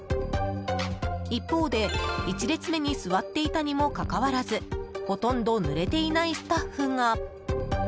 一方で、１列目に座っていたにもかかわらずほとんどぬれていないスタッフが。